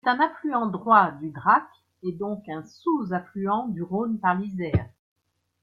C'est un affluent droit du Drac, et donc un sous-affluent du Rhône par l'Isère.